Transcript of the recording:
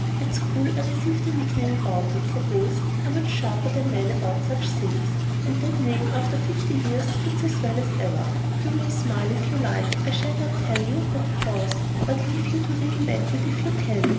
At school I received a nickname about it, for boys are much sharper than men about such things; and that name after fifty years fits as well as ever. You may smile, if you like; I shall not tell you what it was, but leave you to re invent it, if you can.